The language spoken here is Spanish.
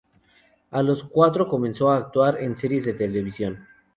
A los cuatro comenzó a actuar en series de televisión.